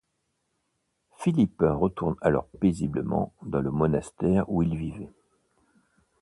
Philippe retourne alors paisiblement dans le monastère où il vivait.